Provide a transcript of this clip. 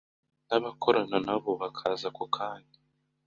n'abakorana nabo bakaza ako kanya